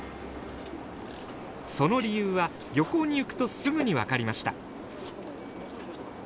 その理由は漁港に行くとすぐに分かりました。